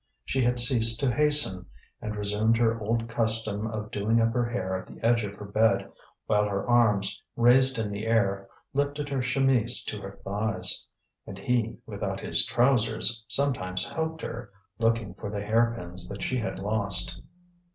She had ceased to hasten, and resumed her old custom of doing up her hair at the edge of her bed, while her arms, raised in the air, lifted her chemise to her thighs, and he, without his trousers, sometimes helped her, looking for the hairpins that she had lost.